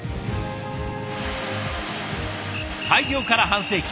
開業から半世紀。